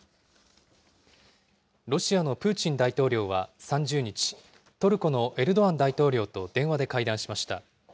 ロシアのプーチン大統領は３０日、トルコのエルドアン大統領と電話で会談しました。